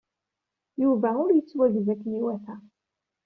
Yuba ur yettwagza akken iwata.